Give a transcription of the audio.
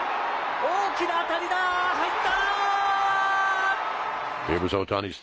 大きな当たりだ、入った！